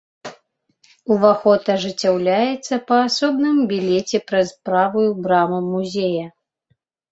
Уваход ажыццяўляецца па асобным білеце праз правую браму музея!!!